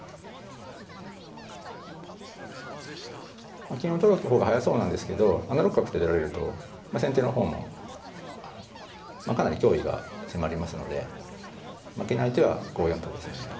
まあ金を取る方が速そうなんですけど７六角って出られると先手の方もかなり脅威が迫りますので負けない手は５四とですね。